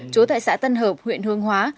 chú tại xã tân hợp huyện hương hóa